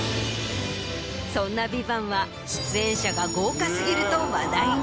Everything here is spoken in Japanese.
そんな『ＶＩＶＡＮＴ』は出演者が豪華過ぎると話題に。